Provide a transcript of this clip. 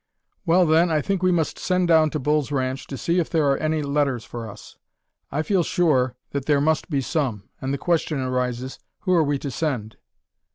"Well, then, I think we must send down to Bull's Ranch, to see if there are any letters for us. I feel sure that there must be some, and the question arises who are we to send?"